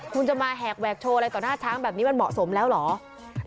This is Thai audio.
คุณจะมาแหกแหวกโชว์อะไรต่อหน้าช้างแบบนี้มันเหมาะสมแล้วเหรอ